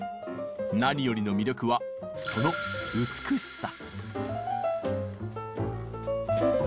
何よりの魅力はその「美しさ」。